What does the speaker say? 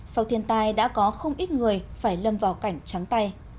sau thiên tai đã có không ít người phải lâm vào cảnh trắng tay